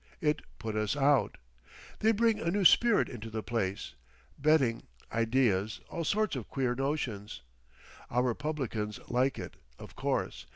It put us out. They bring a new spirit into the place; betting—ideas—all sorts of queer notions. Our publicans like it, of course.